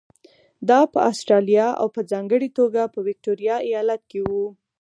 دا په اسټرالیا او په ځانګړې توګه په ویکټوریا ایالت کې وو.